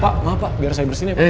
pak maaf pak biar saya bersihin ya pak